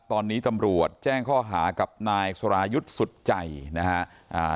ตอนนี้ตำรวจแจ้งข้อหากับนายสรายุทธ์สุดใจนะฮะอ่า